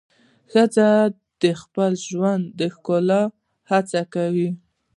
ښځه د خپل ژوند د ښکلا هڅه کوي.